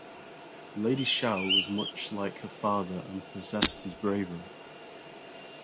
Lady Shao was much like her father and possessed his bravery.